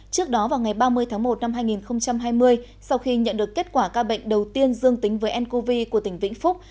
trước đó vào ngày ba mươi tháng một năm hai nghìn hai mươi sau khi nhận được kết quả ca bệnh đầu tiên dương tính với ncov của tỉnh vĩnh phúc